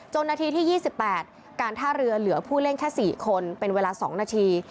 นาทีที่๒๘การท่าเรือเหลือผู้เล่นแค่๔คนเป็นเวลา๒นาที